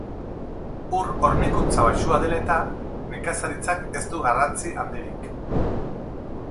Ur hornikuntza baxua dela eta, nekazaritzak ez du garrantzi handirik.